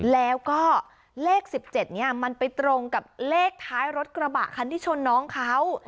แล้วก็เลข๑๗นี้มันไปตรงกับเลขท้ายรถกระบะคันที่ชนน้องเขา